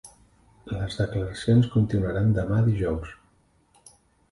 Les declaracions continuaran demà, dijous.